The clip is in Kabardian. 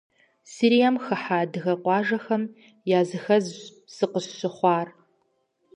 Сирием хыхьэ адыгэ къуажэхэм языхэзщ сыкъыщыхъуар.